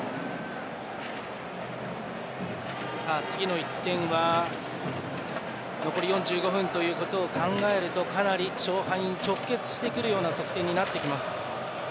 次の１点は残り４５分ということを考えるとかなり、勝敗に直結してくるような得点になってきます。